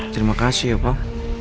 terima kasih ya pak